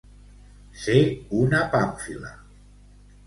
Ser una pàmfila.